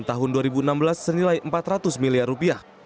tahun dua ribu enam belas senilai empat ratus miliar rupiah